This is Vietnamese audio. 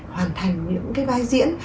hoàn thành những cái vai diễn